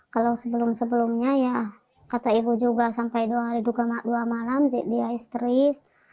kalau sebelum sebelumnya ya kata ibu juga sampai dua hari dua malam dia histeris